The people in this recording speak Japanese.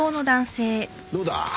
どうだ？